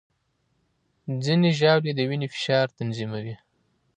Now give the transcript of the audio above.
ځینې ژاولې د وینې فشار تنظیموي.